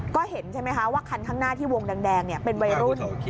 ก็เห็นใช่ไหมคะว่าคันข้างหน้าที่วงแดงเป็นวัยรุ่น